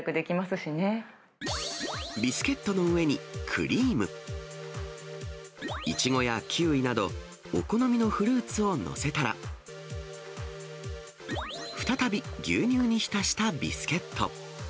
ビスケットの上にクリーム、イチゴやキウイなど、お好みのフルーツを載せたら、再び牛乳に浸したビスケット。